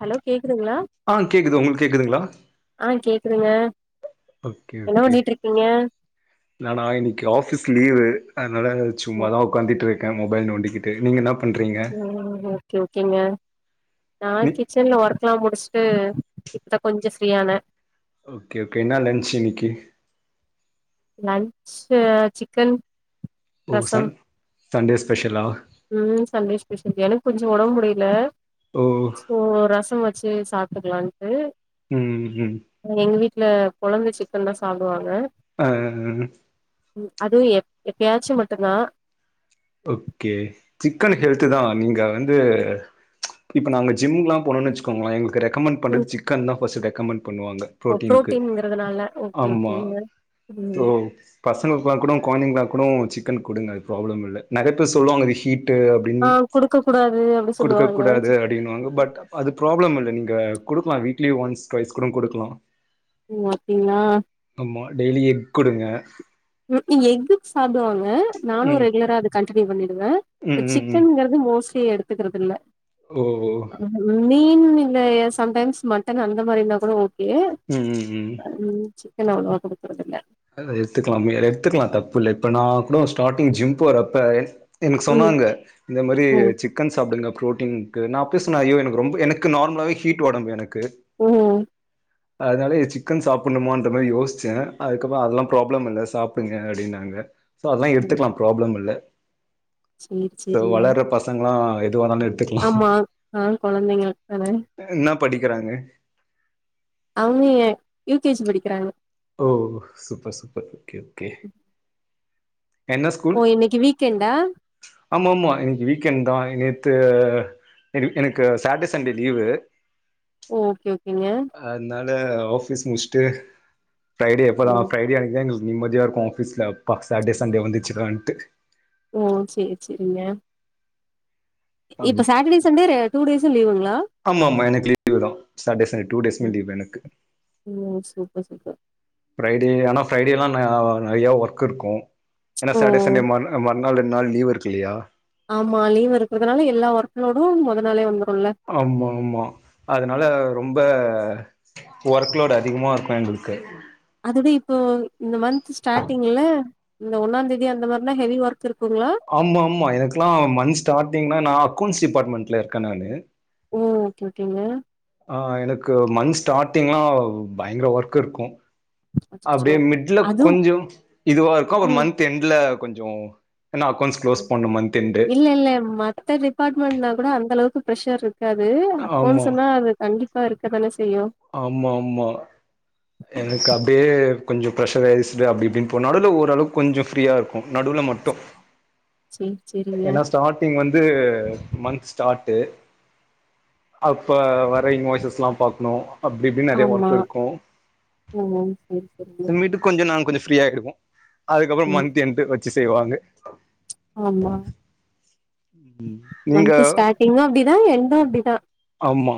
Hello கேக்குதுங்ளா ஆ கேக்குது உங்குளுக்கு கேக்குதுங்ளா ஆ கேக்குதுங்க ஓகே என்ன ஓகே பண்ணிட்ருக்கிங்க நானா இன்னிக்கு ஆஃபிஸ் லீவு அதனால ம் சும்மாதா ஒக் க்காந்திட்ருக்கே மொபைல் நோண்டிகிட்டு நீங்க என்ன பண்றீங்க ம் ஓகே ஓகேங்க நா நீ கிச்சன்ல ஒர்க்லா முடிச்சிட்டு இப்ப கொஞ்சோ ஃப்ரீ ஆன ஓகே ஓகே இன்னா லன்ச் இன்னைக்கி லன்ச்சு சிக்கன் ஓ ரசம் சன் சன்டே ஸ்பெஷலா ம் சண்டே ஸ்பெஷல் எனக்கு கொஞ்சோ ஒடம்பு முடில ஓ சோ ரசம் வச்சு சாப்ட்டுக்குலான்ட்டு ம் ம் எங்க வீட்ல கொழந்த சிக்கன் தா சாப்டுவாங்க ஆ ம் அது எப் எப்யாச்சு மட்டுந்தா ஓகே சிக்கன் ம் ஹெல்த்து தா நீங்க வந்து இப்ப நாங்க ஜிம்லா போன்னன் வச்சுக்கோங்ளே எங்க ரெக்கமெண்ட் ம், பண்றது சிக்கன் தா ஃபர்ஸ்டு ரெக்கமெண்ட் பண்ணுவாங்க ஓ ப்ரோட்டின் க்கு புரோட்டீன்ங்கிறதுனால ஓகே ஆமா‌ ஓகேங்க ப்ரோ ம் பசங்க க்லா கூட கொழந்தைங்ளா கூட சிக்கன் குடுங்க அது ப்ராப்ளம் இல்ல நெறைய பேர் சொல்வாங்க‌ அது ஹீட் டு அப்டின் ஆ குடுக்க கூடாது அப்டி குடுக்க சொல்லுவாங்க கூடாது அப்டின்னுவாங்க பட் அது ப்ராப்ளம் இல்ல நீங்க குடுக்லா வீக்லி ஒன்ஸ் ட்வைஸ் கூட குடுக்லா ஓ அப்டிங்ளா ஆமா டெய்லி எக் குடுங்க ம் கு எக்கு சாப்டுவாங்க நானு ம் ரெகுலரா அது கண்டினியூ பண்ணிடுவே ம் பட் ம் ம் சிக்கன் ங்குற து மோஸ்ட்லி எடுத்துக்றது இல்ல ஓ மீன் இல்ல சம்டைம்ஸ் மட்டன் அந்த மாரினா கூட ஓகே ம் ம் ம் ம் சிக்கன் அவ்ளவா குடுக்கறதில்ல அத எத்துக்கலா அத எத்துக்கலா தப்பு இல்ல இப்ப நா கூட ஸ்டார்டிங் ஜிம் போறப்ப எனக்கு ம் சொன்னாங்க இந்த மாரி‌‌ ம் சிக் கன் சாப்டுங்க ப்ரோட்டின்க்கு‌ நா அப்பவே சொன்னே ஐயோ எனக்கு ரொம்ப எனக்கு நார்மலாவே ஹீட் ஒடம்பு எனக் கு ம் அதனாலயே சிக்கன் சாப்பட்ணுமான்ற மாரி யோசிச்சே அதுக் கப்பா அதெல்லா ப்ராப்ளம் இல்ல சாப்டுங்க அப்டின்னாங்க சோ அதெல்லா ம் எடுத்துக்லா ப்ராப்ளம் இல்ல சேரி சோ சேரிங்க வளர்ற பசங்ளா எதுவேனாலு எடு ஆமா ஆ கொழந்தைங்களுக்கு தானே என்னா படிக்கிறாங்க அவுங்கே யூ கே ஜி படிக்கிறாங்க ஓ சூப்பர் சூப்பர் ஓகே ஓகே என்ன ஸ்கூல் ஓ இன்னைக்கு வீக்கெண்டா ஆமா ஆமா இன்னைக்கு வீக்கெண்ட் தா நேத்து எனக் எனக்கு சாட்டே சண்டே லீவு ஓகே ஓகேங்க அதனால ஆபிஸ் முடிசிட்டு ஃரைடே எப்ப ஓ தா ஃரைடே அன்னைக்குதா நிம்மதியா இருக்கு ஆபீஸ்ல அப்பா சாட்டே சண்டே வந்துச்சிடான்டு ஓ சேரி சேரிங்க இப்ப அப்டி சாட்டடே சண்டே ரெ டூ டேஸீ லீவுங்ளா ஆமாமா எனக்கு லீவு தா சாட்டே சண்டே டூ டேஸ்மே லீவ் எனக்கு ம் சூப்பர் சூப்பர் ஃபிரைடே ஆனா ஃபிரைடேல்லா நெறைய ஒர்க் இருக்கு ஏனா சாட்டே ஓ சண்டே மா அ மா மூண் நாள் ரெண் நாள் லீவுருக்கில்லையா ஆமா லீவ் இருக்கறதுனால எல்லா ஒர்க்ளோடு மொத நாளே வந்துருல்ல ஆம்மாமா அதனால ரொம்ப ஒர்க் லோட் அதிகமா இருக்கு எங்களுக்கு அதுவே இப்போ இந்த மந்த் ஸ்டார்டிங்ல இந்த ஒன்னாந்தேதி அந்த மாரிலா ஹெவி ஒர்க் இருக்குங்ளா ஆம்மாமா எனக்குலா மந்த் ஸ்டார்டிங்னா நா அக்கௌண்ட்ஸ் டிபார்ட்மெண்ட்டில்ல இருக்க நானு ஓ ஓகே ஓகேங்க ஆ எனக்கு மந்த் ஸ்டார்ட்டிங்லா பயங்கர ஒர்க் இருக்கு அச்சச்சோ! அப்டியே மிட்ல அதுவும் கொஞ்சம் இதுவா இருக்கு அப்பறோ ம். மந் த் என்ட்ல்ல கொஞ்சோ ஏனா இல்லல்ல மத்த டிபார்ட்மெண்ட்னா கூட அந்த அளவுக்கு ப்ரெஷர் இருக்காது ஆமா அக்கௌண்ட்ஸ்ன்னா அது கண்டிப்பா இருக்க தானே செய்யு ஆம்மாமா எனக்கு அப்டியே கொஞ்சோ ப்ரெஷரைஸ்டு அப்டி இப்டின் போனாலு இல்ல ஓரளவுக் கொஞ்சோ ஃப்ரீயா இருக் கு நடுவுல மட்டு சேர் செரிங்கா ஸ்டார்ட்டிங் வந்து மந்த் ஸ்டாட்டு அப்ப வர இன்வாயிஸ்லா பாக்ணு அப்டி இப்டின் நெறைய ஆமா. ஒர்க் இருக்கு ஓ! சரி, சரிங்க. சோ வீட்டு கொஞ்ச நாங் கொஞ்சோ ஃப்ரீயாய்டுவோ அதுக்கப்பறோ ம். மந்து என்டு வெச்சி செய்வாங்க ஆமா நீங்க மன்த்து ஸ்டாடிங்கு அப்டிதா என்டு அப்டிதா ஆமா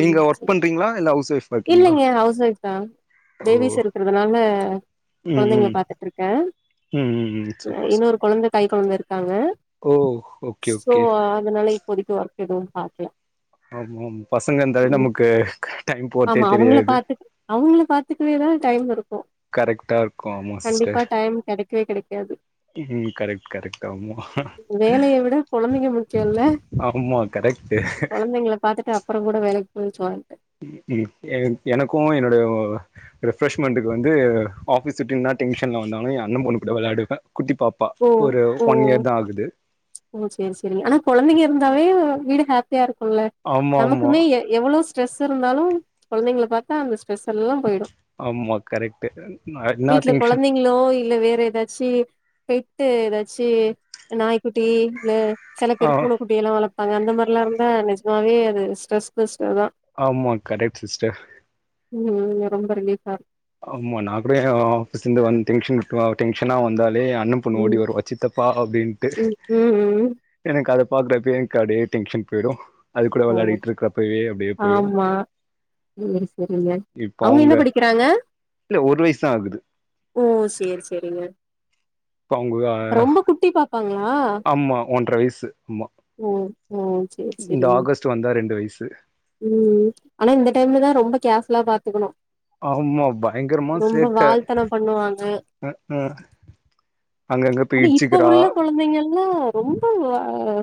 நீங்க ஒர்க் சரி. பண்றீங்ளா இல்ல ஹவுஸ் ஓய்ப் இல்லங்க ஹவுஸ் ஓய்ப்தா ஓ பேபிஸ் இருக்கிறதுனால ம் கொழந்தைங்கள ம் பாத்துட்ருக்கே ம் ம் ம் அ சூப்பர் சூப் இன்னொரு கொழந்த கை கொழந்த இருக்காங்க ஓ ஓகே சோ ஓகே அதனால இப்போதைக்கு ஒர்க் எதுவு பாக்கல ஆமாம் பசங்க இருந்தாலே ம் நமக்கு டைம் போறதே ஆமா அவுங்கள தெரியாது பாத்துக்கு அவுங்கள பாத்துக்கவே தா டைம் இருக்கு கரெக்டா இருக்கு ஆமா கண்டிப்பா சிஸ்டர் டைம் கெடைக்கவே கெடைக்காது ம் கரெக்ட் கரெக்ட் ஆமா வேலைய விட கொழந்தைங்க முக்கியல்ல ஆமா கரெக்ட்டு கொழந்தைங்கள பாத்துட்டு அப்புற கூட வேலைக் போய்க்லான்ட்டு ம் எ எனக்கு என்னோடைய ரெப்ரஷ்மெண்ட்டுக்கு வந்து ஆபீஸ் விட்டு இன்னா டென்சன்ல வந்தாலு எ அண்ண பொண்ணு கூட வெளையாடுவே குட்டி பாப் பா ஓ ஒரு ஓ ஒன் இயர் தா ஆகுது ஓ செரி செரி ஆனா கொழந்தைங்க இருந்தாவே வீடு ஹாப்பியா இருக்குல்ல ஆமா ஆமா நமக்குமே எவ்ளோ ஸ்ட்ரெஸ் இருந்தாலு கொழந்தைங்கள பாத்தா அந்த ஸ்ட்ரெஸ் எல்லா போய்டு ஆமா கரெக்ட்டு நா என்னா திங்ஷன் லோ இல்ல வேற ஏதாச்சி பெட்டு ஏதாச்சி நாய்க்குட்டி இல்ல செல ஆ பேர் பூனக்குட்டிய எல்லா வளப்பாங்க அந்த மார்லா இருந்தா நெஜமாவே அது ஸ்ட்ரெஸ் பஸ்டர் தா ஆமா கரெக்ட் சிஸ்டர் ம் ரொம்ப ரிலீப்பா அமா நா கூட ஆஃபீஸ்ந்து வந் டென்ஷன் டென்ஷனா வந்தாலே அண்ண பொண்ணு ஓடி ம் வருவா சித்தப்பா அப்டின்ட்டு ம் ம் ம் எனக்கு அத பாக்குறப்யே எனக்கு அடியே டென்ஷன் போய்டு ஓ ஆமா செரி செரிங்க இப்ப அவுங்க என்ன அவங்க படிக்க னாங்க இல்ல ஒரு வயசு தா ஆகுது ஓ செரி செரிங்க இப்ப அவங்க அப்ப ரொம்ப குட்டி பாப்பாங்ளா ஆமா ஒன்ற வயசு ஆமா ம் ம் இந்த ஆகஸ்ட் வந்தா ரெண்டு வயசு ம் ஆனா இந்த டைம்ல தா ரொம்ப கேர் ஃபுல்லா பாத்துக்கணு ஆமா பயங்கரமா ரொம்ப சேட்ட வால்தனம் பண்ணுவாங்க ம் க்ம் அது இப்ப உள்ள கொழந்தைங்கெல்லா ரொம்ப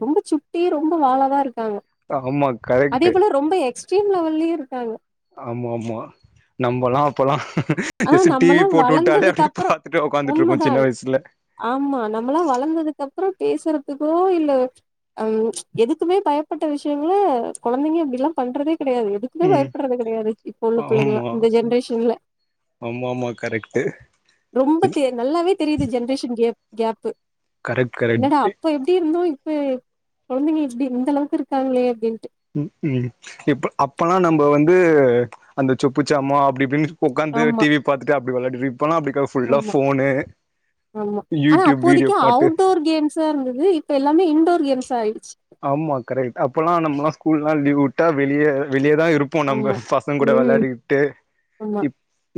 ரொம்ப சுட்டி ரொம்ப வாலதா இருக்காங்க ஆமா அதே கரெக்ட்டு போல ரொம்ப எக்ஸ்ட்ரீம் லெவல்யு இருக்காங்க ஆமாமா நம்மலா அப்பல்லா ஆனா டிவி நம்மல்லா போட்டு வுட்டாலே வளந்ததுக்கு அப்டியே அப்புறோ பாத்துட்டு உக்காந்துட்ருப்போ சின்ன உண்மதான் வயசுல ஆமா நம்மளா வளந்ததுக் அப்றோ பேசுறதுக்கோ இல்ல ம் எதுக்குமே பயப்பட்ட விஷயங்கள கொழந்தைங்க இப்டில்லா பண்றதே கெடையாது எதுக் குமே ம் பயப்பட்றது கெடையாது இப்ப உள்ள பிள்ளைங்களா இந்த ஜென்ரேஷன்ல ஆமாமா கரெக்டு ரொம்ப தெ நல்லாவே தெரியிது ஜென்ரேஷன் கே கேப்பு கரெக்ட் கரெக்ட் இப்போ எப்டி இருந்தோ இப்ப கொழந்தைங்க எப்டி இந்தளவுக்கு இருக்காங்ளே அப்டின்ட்டு ம் ம் இப் அப்பல்லா நம்ப வந்து அந்த சொப்புச்சாமா அப்டி இப்டி உக்காந்து ஆமா டி வி பாத்துட்டு அப்டி வெளயாடி இப்பெல்லா ஆமா ஆமா ஆனா யூடியூப் வீடியோ அப்போதிக்கு பாட்டு அவுட்டோர் கேம் சா இருந்தது இப்ப எல்லாமே இன்டோர் கேம்ஸா ஆயிடுச்சு ஆமா கரெக்ட் அப்பல்லா நம்மல்லா ஸ்கூல்லா லீவ் விட்டா வெளிய வெளியதா இரு ப்போ நம்ம ஆமா பசங்க கூட ம் வெளயாடிக்கிட்டு ஆமா இ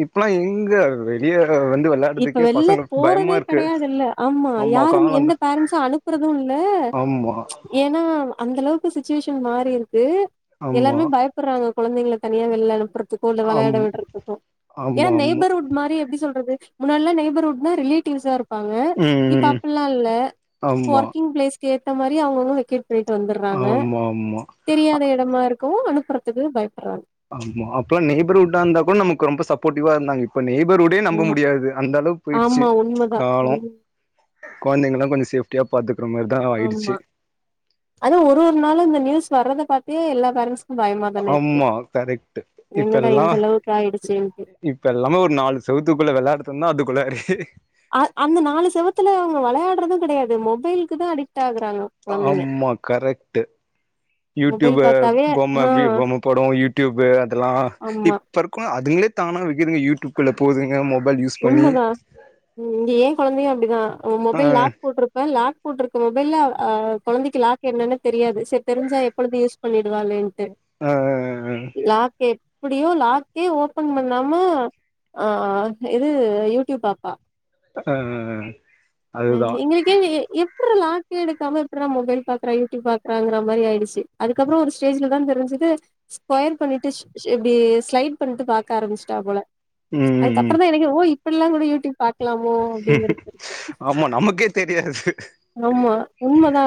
இப்பெல்லா எங்க வெளிய வந்து இப்ப வெளாடுறதுக்கே வெள்ல பசங்களுக்கு பயமா போறதே இருக்கு கெடையாது இல்ல ஆமா யாரும் எந்த பேரண்ஸ்ம் அனு ப்பறது இல்ல ஆமா ஏனா அந்த அளவுக்கு சிச்சுவேஷன் மாறி இருக்கு ஆமா எல்லாருமே பய படறாங்க கொழந்தைங்கள தனியா வெளில அனுப்பறதுக்கோ இல்ல ஆம் வெளையாட விடுறதுக்கோ ஆமா ஏனா ஆமா நெய்பர்ஹூட் மாரி எப்டி சொல்றது முன்னாடி எல்லா நெய்பர்ஹூட்னா ரிலேட்டிவ்ஸாரு ப்பாங்க இப்ப ம் ம் அப்பல்லா இல்ல ஆமா ஒர்க்கிங் பிளேஸ்க்கு ஏத்த மாரி அவுங்கவுங்க வெக்கேட் போய்ட்டு வந்துர்றாங்க ஆமா ஆமா தெரியாத எடமா இருக்கவு அனுப்பறதுக்கு பயப்பர்றாங்க ஆமா அப்பல்லா நெய்பர்ஹூடா இருந்தா கூட நமக்கு ரொம்ப சப்போர்டிவா இருந்தாங்க இப்ப நெய்பர்ஹூடே நம்ப ஆமா. முடியாது அந்த அளவுக்கு போயிடுச்சு ஆமா உண்மதா காலோ ம் கொழந்தைங்கல்லா கொஞ்சோ சேஃப்டியா பாத்துக்கற மாரி ஆமா அதா ஒரு ஒரு நாளு இந்த நியூஸ் வர்றத பாத்தே எல்லா பேரண்ட்ஸ்க்கு பயமா தானே இருக்கு ஆமா கரெக்ட் என்னடா இந்த அளவுக்கு ஆயிடுச்சேன்ட்டு இப்பெல்லாமே ஒரு நாலு செவுத்துக்குள்ள வெளாட சொன்னா அதுக்குள்ளடு அ அந்த நாலு செவுத்துல அவுங்க வெளயாடறது கெடையாது மொபைல்க்குதா அடிக்ட் ஆகுறாங்க கொழந்தைங்க ஆமா கரெக்ட்டு மொபைல் யூடியூபு பாத்தாவே பொம்ம ஆ பொம்ம படோ யூடியூபு அதெல்லா இ ஆமா ப்ருக்கோ அதுங்ளே தானா வெக்குதுங்க யூடியூப்ல போதுங்க மொபைல் யூ உண்மதா இங்க ஏன் கொழந்தைையு அப்டிதா ஆ மொபைல் லாக் போட்ரு இப்ப லாக் போட்ருக்க மொபைல்ல ஆ கொழந்தைக்கு லாக் என்னனே தெரியாது செரி தெரிஞ்சா எப்பொழுது யூஸ் பண்ணிடுவாளேன் அ லாக் எப்டியோ லாக்கே ஓப்பன் பண்ணாம ஆ இது யூடியூப் பாப்பா அ எங்களுக்கே எ எப்டுறா லாகே எடுக்காம எப்டுறா மொபைல் பாக்கறா யூடியூப் பாக்கறாங்கற மாரி ஆயிடுச்சு அதுக்கப்றோ ஒரு ஸ்டேஜ்லதா தெரிஞ்சுது ஸ்கொயர் பண்ணிட்டு ஷ் இப்டி ஸ்லைட் பண்ணிட்டு பாக்க ஆரம்பிச்சிட்டா போல ம் ம் அதுக்கப்றந்தா எனக்கே ஓ இப்ல்லா கூட யூடியூப் பாக்கலாமோ அப்டிங்கிருக்கு ஆமா நமக்கே தெரியாது ஆமா உண்மதா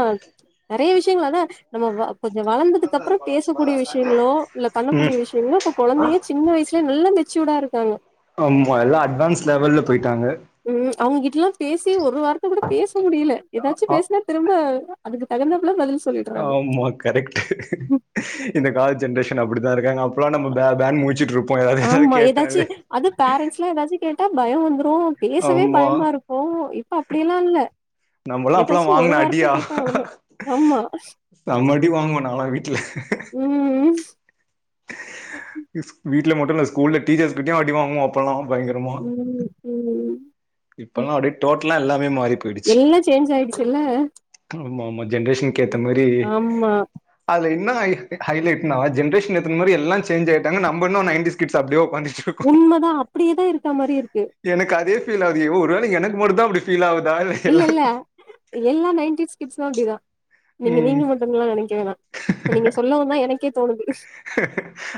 நெறைய விஷ்யங்கள் அதா நம்ம கொஞ்சோ வளந்ததுக்கு அப்றோ பேசக்கூடிய விஷாயங்ளோ இல்ல பண்ணக்கூடிய ம் விஷ்யங்ளோ இப்ப கொழந்தைங்க சின்ன வயசிலே நல்லா மெச்சூடா இருக்காங்க ஆமா எல்லா அட்வான்ஸ் லெவல்ல போயிட்டாங்க ம் அவுங்ககிட்டல்லா பேசியே ஒரு வார்த்த கூட பேச முடில எதாச்சும் ஆ பேஸ்னா திரும்ப அதுக்கு தகுந்தாப்புல பதில் சொல்லிடுறாங்க ஆமா கரெக்ட்டு இந்த கால ஜென்ரேஷன் அப்டிதா இருக்காங்க அப்பெல்லா நம்ம பே பேனு முழிச்சிட்டு இரு ப்போ யாரா ஆமா ஏதாச்சு கேட்டாவே அது பேரண்ட்ஸ்ல்லா எதாச்சு கேட்டா பயோ வந்துரு பேசவே ஆமா பயமா இருக்கு இப்ப அப்டியெல்லா இல்ல நம்மல்லா அப்பல்லா எதாச்சு ஒரு வாங்குன வார்த்த கேட்டா அவுங்க ஆமா செம்ம அடி வாங்குவ நாளா வீட்ல ம் வீட்ல மட்டு இல்ல ஸ்கூல்ல டீச்சர்ஸ் கிட்டயு அடி வாங்குவ இப்பலா பயங்கரமா ம் ம் இப்பல்லா அப்டே டோட்டலா எல்லாமே மாறி போயிடுச்சு எல்லா சேஞ்ச் ஆயிடுச்சுல்ல ஆமா ஆமா ஜென்ரேஷனுக்கு ஏத்த மாரி ஆமா அதுல என்ன ஹை ஹை லைட்னா ஜென்ரேஷன் ஏத்த மாரி எல்லா சேஞ்ச் ஆய்ட்டாங்க நம்ப இன்னு நைன்டீஸ் கிட்ஸ் அப்டே உண்மதா அப்டியேதா இருக்க மாரி இருக்கு எனக்கு அதே ஃபீல் ஆவுது யோ ஒரு வேள எனக்கு மட்டுந்தா அப்டி ஃபீல் ஆவுதா இல்ல எல்லாருக்கு எல்லா நைன்டிஸ் கிட்ஸு அப்டிதா நீங்க ம் நீங்க மட்டுன்லா நெனைக்க வேணா இப்ப நீங்க சொல்லவுந்தா எனக்கே தோணுது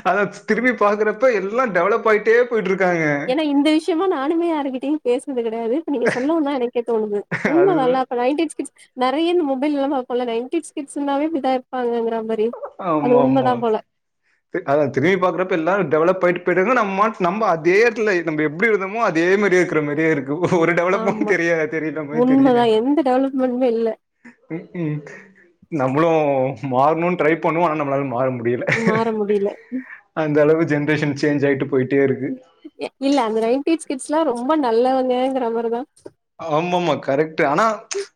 அத திரும்பி பாக்கறப்ப எல்லா டெவலப்பாயிட்டே போயிட்ருக்காங்க ஏன்னா இந்த விஷயமா நானுமே யாருகிட்டயு பேசுனது கெடையாது இப்ப நீங்க சொல்லவுந்தா எனக்கே தோணுது அதுதா உண்மதால்ல நைன்ட்டிஸ் கிட்ஸ் நறைய இந்த மொபைல் இல்லாம அப்போலா நைட்டிஸ் கிட்ஸ்னாவே இப்டிதா இருப்பாங்கங்ற மாரி அது ஆமா ஆமா உண்மதா போல அத திரும்பி பாக்குறப்ப எல்லாரு டெவலப் ஆயிட்டு போய்ரங்க நம்ம நம்ம அதே இடத்துல நம்ப எப்டி இருந்தமோ அதே மாரியே இருக்கறமாரியே இருக்கு ஒரு டெவளப்பு ஆமா தெரியா தெரி உண்மதா எந்த டெவலப்மெண்ட்டுமே இல்ல [unintelligible] ம்கும் நம்மளு மாறணுனு ட்ரை பண்ணுவோ ஆனா நம்மளால மாற முடில மாற முடில அந்த அளவு ஜென்ரேஷன் சேஞ்ச் ஆயிட்டு போயிட்டே இருக்கு இல்ல அந்த நைன்டிஸ் கிட்ஸ்ல்லா ரொம்ப நல்லவங்கங்கற மாரிதா ஆமா ஆமா கரெக்ட் ஆனா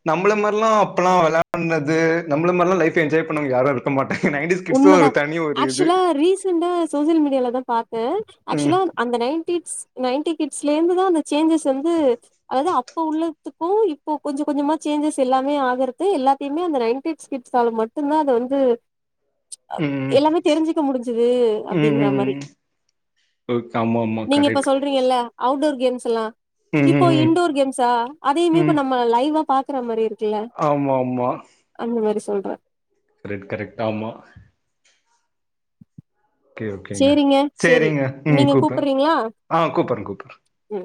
நம்மள மார்லா அப்பல்லா வெளாட்னது நம்மள மார்ல லைஃப் என்ஜாய் பண்ணவங்க யாரு இரு க்கமாட்டங்க நைன்டிஸ் கிட்ஸ் உண்மதா ஒரு தனி ஒரு இது ஆக்சுவலா ரீசன்தா சோசியல் மீடியால தா பாத்த ம் ஆக்சுவலா அந்த நைன்டிட்ஸ் நைன்டி கிட்ஸ்ல இருந்து தா அந்த சேஞ்சஸ் வந்து அதாது அப்ப உள்ளதுக்கு இப்போ கொஞ்ச கொஞ்சமா சேஞ்சஸ் எல்லாமே ஆகுறது எல்லாத்தையுமே அந்த நைன்ட்டி கிட்ஸால மட்டுதா அத வந்து ம் எல்லாமே தெரிஞ்சுக்க முடிஞ்சுது அப்டிங்கற மாரி ஓகே ஆமமா கரெட்டு ல்ல அவுட்டோர் கேம்ஸெல்லா ம் இப்போ ம் ம் இன்டோர் கேம்ஸ்ஸா அதையுமே ம் நம்ம இப்ப லைவா பாக்கற மாரியே இருக்கு ஆமா ஆமா அந்த மாரி சொல்ற ரெட் கரெக்ட் ஆமா ஓகே ஓகேங்க சேரிங்க சேரி சேரிங்க ம் நீங்க கூப்பற கூப்புறீங்களா ஆ கூப்பட்ற கூப்பட்ற ம்